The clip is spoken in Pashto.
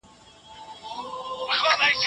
د ماشومانو روزنه بايد نيمګړې پريې نه ښوول سي.